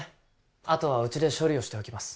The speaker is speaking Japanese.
あとはうちで処理をしておきます